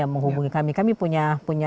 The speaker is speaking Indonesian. menghubungi kami kami punya